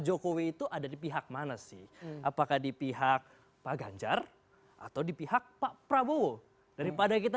jokowi itu ada di pihak manasi apakah di pihak paganjar atau di pihak pak prabowo rew pada kita